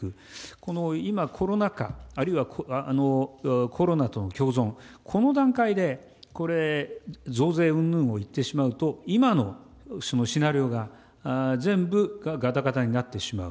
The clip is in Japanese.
この今、コロナ禍、あるいはコロナとの共存、この段階で、これ、増税うんぬんを言ってしまうと、今のシナリオが全部がたがたになってしまう。